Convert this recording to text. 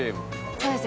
「そうです